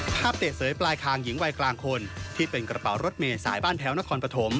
เตะเสยปลายคางหญิงวัยกลางคนที่เป็นกระเป๋ารถเมย์สายบ้านแพ้วนครปฐม